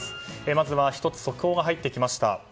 まずは１つ速報が入ってきました。